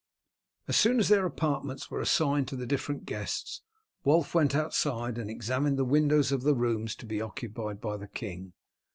As soon as their apartments were assigned to the different guests Wulf went outside and examined the windows of the rooms to be occupied by the king.